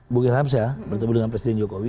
bung irhamsyah bertemu dengan presiden jokowi